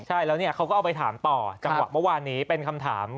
ใช่แล้วเนี่ยเขาก็เอาไปถามต่อจังหวะเมื่อวานนี้เป็นคำถาม